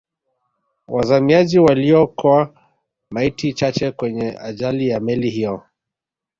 wazamiaji waliokoa maiti chache kwenye ajali ya meli hiyo